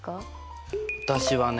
私はね